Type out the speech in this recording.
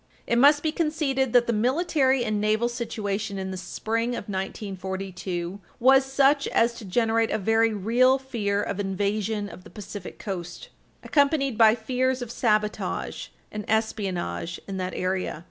It must be conceded that the military and naval situation in the spring of 1942 was such as to generate a very real fear of invasion of the Pacific Coast, accompanied by fears of sabotage and espionage in that area.